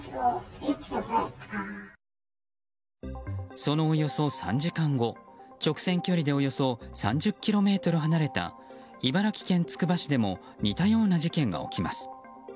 そのおよそ３時間後直線距離でおよそ３０ｋｍ離れた茨城県つくば市でも似たような事件が起きます。